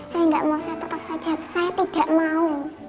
saya nggak mau saya tetap saja saya tidak mau